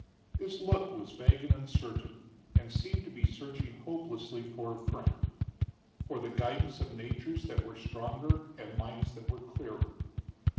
His look was vague and uncertain, and seemed to be searching hopelessly for a friend for the guidance of natures that were stronger and minds that were clearer.